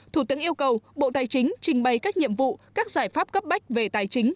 thủ tướng yêu cầu bộ tài chính trình bày các nhiệm vụ các giải pháp cấp bách về tài chính